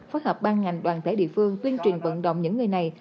phối hợp ban ngành đoàn thể địa phương tuyên truyền vận động những người này